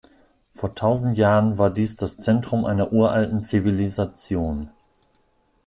Vor tausend Jahren war dies das Zentrum einer uralten Zivilisation.